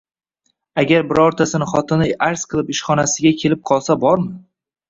Agar birontasini xotini arz qilib ishxonasiga kelib qolsa bormi?